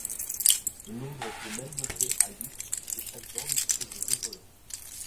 Le nombre peut même monter à huit, puisque chaque borne dispose de deux volants.